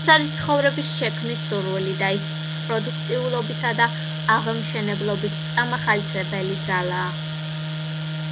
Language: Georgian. ეს არის ცხოვრების შექმნის სურვილი და ის პროდუქტიულობისა და აღმშენებლობის წამახალისებელი ძალაა.